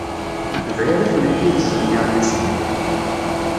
Briɣ i tmetti yettẓenniren s tiṭ.